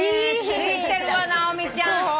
ツイてるわ直美ちゃん。